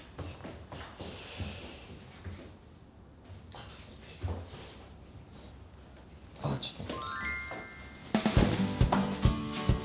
ああちょっと。